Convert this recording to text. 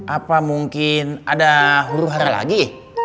apa mungkin ada huru hara lagi